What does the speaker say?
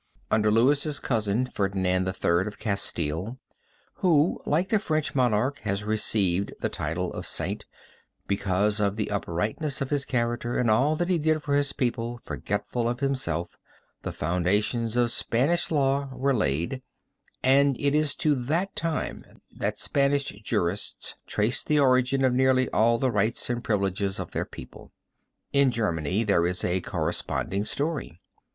Under Louis's cousin, Ferdinand III of Castile, who, like the French monarch, has received the title of Saint, because of the uprightness of his character and all that he did for his people, forgetful of himself, the foundations of Spanish law were laid, and it is to that time that Spanish jurists trace the origin of nearly all the rights and privileges of their people. In Germany there is a corresponding story.